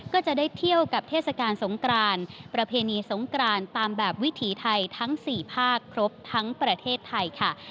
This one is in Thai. ก็จะได้เที่ยวกับเทศกาลสงกรานประเพณีสงกรานตามแบบวิถีไทยทั้ง๔ภาคครบทั้งประเทศไทยค่ะ